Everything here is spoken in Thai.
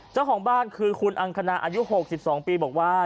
เจ้าของบ้านคือคุณอังคณาอายุ๖๒ปีบอกว่า